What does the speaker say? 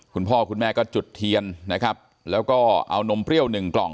คุณพ่อคุณแม่ก็จุดเทียนนะครับแล้วก็เอานมเปรี้ยวหนึ่งกล่อง